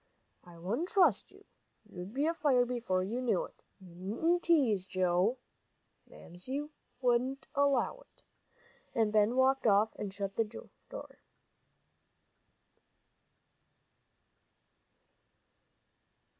"I wouldn't trust you. You'd be afire before you knew it. You needn't tease, Joe; Mamsie wouldn't allow it." And Ben walked off and shut the door.